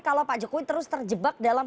kalau pak jokowi terus terjebak dalam